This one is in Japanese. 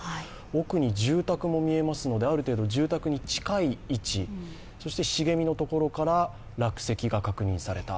奥に住宅も見えますのである程度、住宅に近い位置そして茂みのところから落石が確認された。